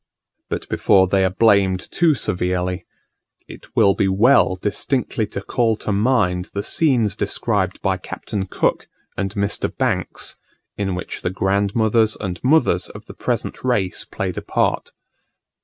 But before they are blamed too severely, it will be well distinctly to call to mind the scenes described by Captain Cook and Mr. Banks, in which the grandmothers and mothers of the present race played a part.